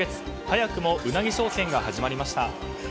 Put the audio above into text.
早くもウナギ商戦が始まりました。